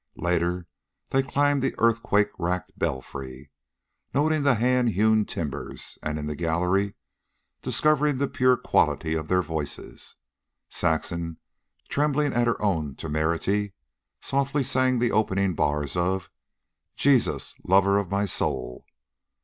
Later they climbed the earthquake racked belfry, noting the hand hewn timbers; and in the gallery, discovering the pure quality of their voices, Saxon, trembling at her own temerity, softly sang the opening bars of "Jesus Lover of My Soul."